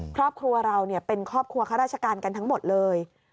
ครอบครัวเราเป็นครอบครัวข้าราชการกันทั้งหมดเลย